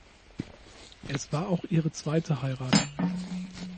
Es war auch ihre zweite Heirat.